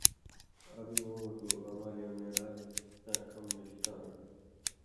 ”الو بہ او مٹُو، اما لېونئرا نَیں تاں کم ملی کام رڇھہ۔